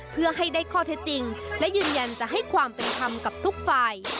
เพื่อให้ได้ข้อเท็จจริงและยืนยันจะให้ความเป็นธรรมกับทุกฝ่าย